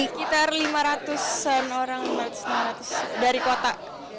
sekitar lima ratus an orang dari kota